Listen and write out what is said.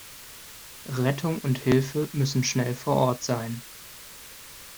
Rettung und Hilfe müssen schnell vor Ort sein.